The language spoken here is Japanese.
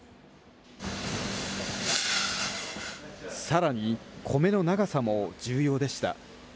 さらに米の長さも重要でした。